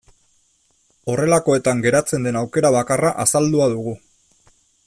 Horrelakoetan geratzen den aukera bakarra azaldua dugu.